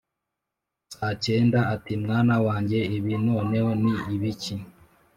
Sacyega ati «mwana wanjye ibi noneho ni ibiki?